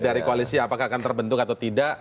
dari koalisi apakah akan terbentuk atau tidak